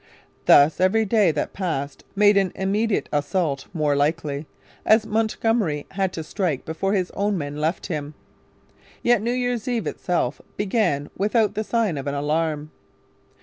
Thus every day that passed made an immediate assault more likely, as Montgomery had to strike before his own men left him. Yet New Year's Eve itself began without the sign of an alarm.